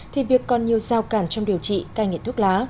thì việc còn nhiều giao cản trong điều trị cai nghiện thuốc lá